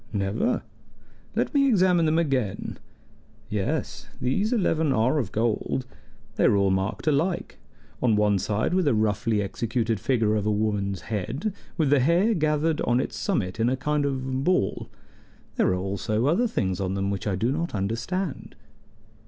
"Never. Let me examine them again. Yes, these eleven are of gold. They are all marked alike, on one side with a roughly executed figure of a woman's head, with the hair gathered on its summit in a kind of ball. There are also other things on them which I do not understand."